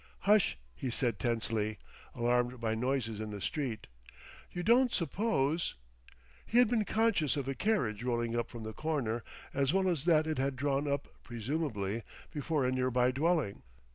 "Hush!" he said tensely, alarmed by noises in the street. "You don't suppose ?" He had been conscious of a carriage rolling up from the corner, as well as that it had drawn up (presumably) before a near by dwelling.